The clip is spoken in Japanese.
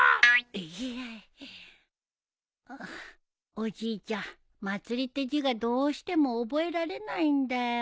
おじいちゃん「祭」って字がどうしても覚えられないんだよ。